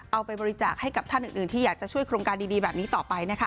เอาไปบริจาคให้กับท่านอื่นที่อยากจะช่วยโครงการดีแบบนี้ต่อไปนะคะ